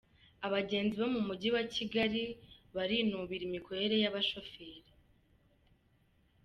Abagenzi bo mu mujyi wa Kigali barinubira imikorere y’abashoferi